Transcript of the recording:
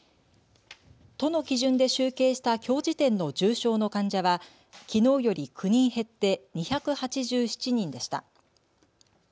都の基準で集計したきょう時点の重症の患者はきのうより９人減って２８７人でした。